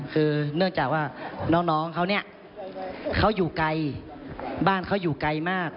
คือเนื่องจากว่าน้องเขาเนี่ยเขาอยู่ไกลบ้านเขาอยู่ไกลมาก